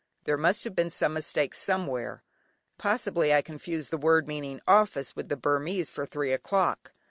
There must have been some mistake somewhere. Possibly, I confused the word meaning "office" with the Burmese for "three o'clock."